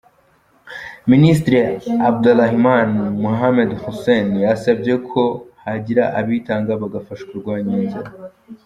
Minisitiri Abdirahman Mohamed Hussein, yasabye ko hagira abitanga bagafasha kurwanya iyo nzara.